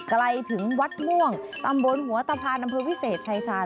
ไกลถึงวัดม่วงตำบลหัวตะพานอำเภอวิเศษชายชาญ